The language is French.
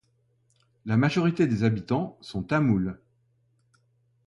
La majorité des habitants sont tamouls.